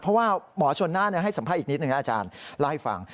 เพราะว่าหมอชนน่านให้สัมภาษณ์อีกนิดนึงอาจารย์เล่าให้ฟัง